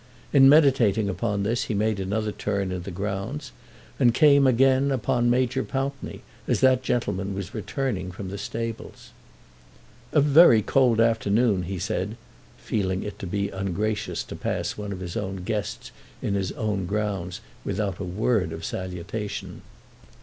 In meditating upon this he made another turn in the grounds, and again came upon Major Pountney as that gentleman was returning from the stables. "A very cold afternoon," he said, feeling it to be ungracious to pass one of his own guests in his own grounds without a word of salutation.